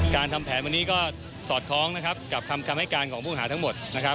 การทำแผนวันนี้ก็สอดคล้องนะครับกับคำให้การของผู้หาทั้งหมดนะครับ